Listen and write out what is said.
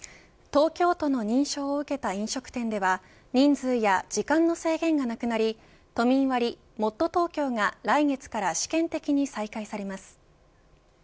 東京都の認証を受けた飲食店では人数や時間の制限がなくなり都民割、もっとＴｏｋｙｏが来月から試験的に再開されます。